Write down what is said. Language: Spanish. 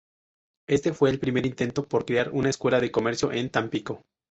Este fue el primer intento por crear una escuela de Comercio en Tampico.